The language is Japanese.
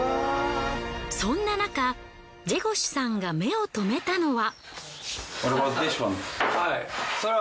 そんななかジェゴシュさんが目をとめたのは。